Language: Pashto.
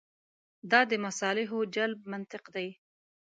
دا د مصالحو جلب منطق دی.